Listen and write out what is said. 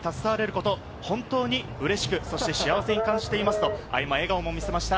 ことを本当に嬉しく、幸せに感じていますと笑顔も見せました。